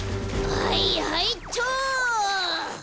はいはいっちょ！